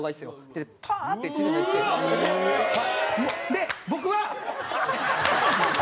で僕は。